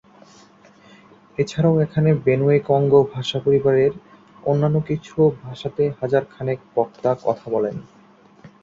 এছাড়াও এখানে বেনুয়ে-কঙ্গো ভাষা পরিবারের অন্যান্য কিছু ভাষাতে হাজার খানেক বক্তা কথা বলেন।